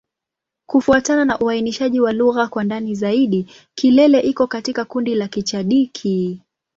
Kufuatana na uainishaji wa lugha kwa ndani zaidi, Kilele iko katika kundi la Kichadiki.